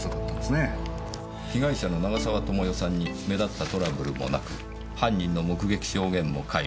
被害者の長沢智世さんに目立ったトラブルもなく犯人の目撃証言も皆無。